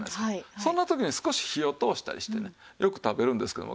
そんな時に少し火を通したりしてねよく食べるんですけども。